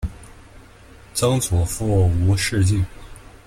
曾祖父吴仕敬。